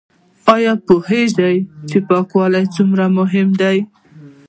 ایا پوهیږئ چې پاکوالی څومره مهم دی؟